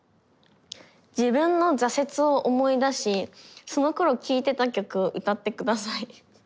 「自分の挫折を思い出しそのころ聴いてた曲を歌ってください」。